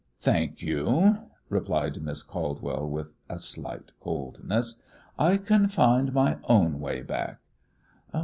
"Thank you," replied Miss Caldwell, with a slight coldness, "I can find my own way back."